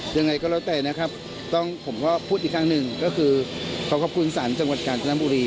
ยังไงก็แล้วแต่นะครับต้องผมก็พูดอีกครั้งหนึ่งก็คือขอขอบคุณศาลจังหวัดกาญจนบุรี